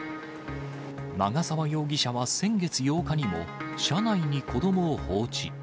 長沢容疑者は先月８日にも車内に子どもを放置。